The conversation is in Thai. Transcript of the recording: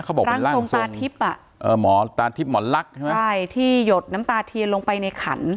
เขาบอกเป็นร่างทรงตาทิพย์อ่ะหมอตาทิพย์หมอลักษณ์ใช่ไหมใช่ที่หยดน้ำตาเทียนลงไปในขัน